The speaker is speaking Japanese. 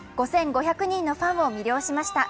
５５００人のファンを魅了しました。